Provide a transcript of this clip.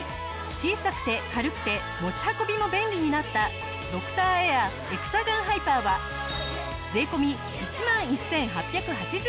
小さくて軽くて持ち運びも便利になったドクターエアエクサガンハイパーは税込１万１８８０円。